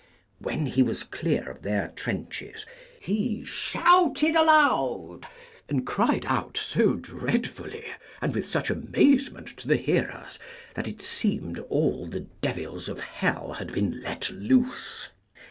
When he was clear of their trenches, he shouted aloud, and cried out so dreadfully, and with such amazement to the hearers, that it seemed all the devils of hell had been let loose.